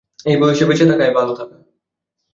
এই বয়সে বেঁচে থাকাই ভালো থাকা।